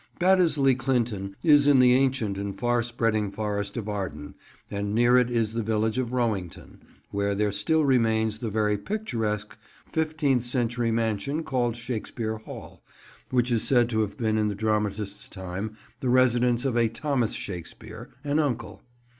Baddesley Clinton is in the ancient and far spreading Forest of Arden, and near it is the village of Rowington, where there still remains the very picturesque fifteenth century mansion called Shakespeare Hall, which is said to have been in the dramatist's time the residence of a Thomas Shakespeare, an uncle.